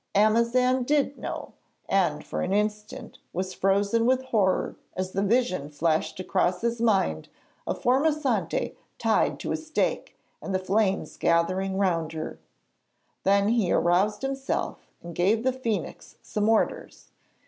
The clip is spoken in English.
Amazan did know, and for an instant was frozen with horror as the vision flashed across his mind of Formosante tied to a stake and the flames gathering round her. Then he aroused himself, and gave the phoenix some orders.